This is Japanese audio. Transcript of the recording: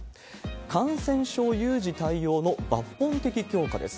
感染症有事対応の抜本的強化です。